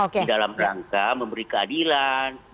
di dalam rangka memberi keadilan